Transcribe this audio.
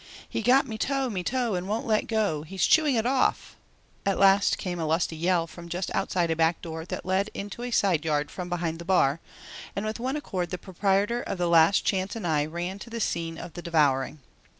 "He's got me toe, me toe, and won't let go. He's chewing it off!" at last came a lusty yell from just outside a back door that led out into a side yard from behind the bar, and with one accord the proprietor of the Last Chance and I ran to the scene of the devouring.